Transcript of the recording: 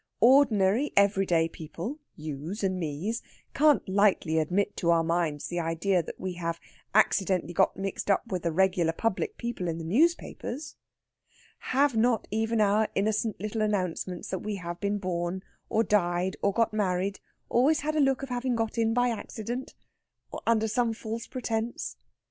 Ordinary every day people you's and me's can't lightly admit to our minds the idea that we have actually got mixed up with the regular public people in the newspapers. Have not even our innocent little announcements that we have been born, or died, or got married, always had a look of having got in by accident, or under some false pretence?